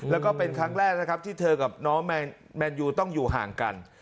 แล้วก็เป็นครั้งแรกนะครับที่เธอกับน้องแมนยูต้องอยู่ห่างกัน